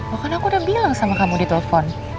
oh kan aku udah bilang sama kamu di telpon